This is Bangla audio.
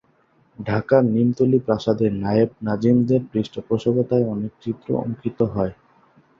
ঢাকার নিমতলী প্রাসাদের নায়েব-নাজিমদের পৃষ্ঠপোষকতায় অনেক চিত্র অঙ্কিত হয়।